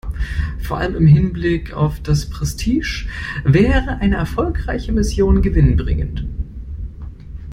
Vor allem im Hinblick auf das Prestige wäre eine erfolgreiche Mission gewinnbringend.